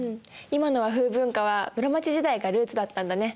今の和風文化は室町時代がルーツだったんだね。